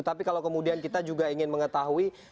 tapi kalau kemudian kita juga ingin mengetahui